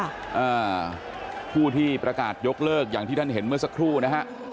อ่าผู้ที่ประกาศยกเลิกอย่างที่ท่านเห็นเมื่อสักครู่นะฮะ